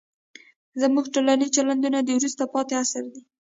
زموږ ټولنیز چلندونه د وروسته پاتې عصر دي.